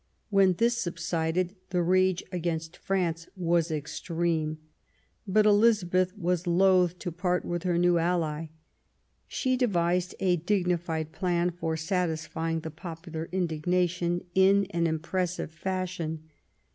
When this subsided the rage against France was extreme; but Elizabeth was loath to part with her new ally. She devised a dignified plan for satisfying the popular indignation in an impressive fashion.